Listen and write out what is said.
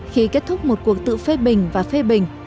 khi kết thúc một cuộc tự phê bình và phê bình